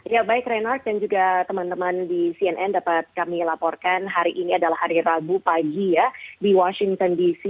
ya baik reinhardt dan juga teman teman di cnn dapat kami laporkan hari ini adalah hari rabu pagi ya di washington dc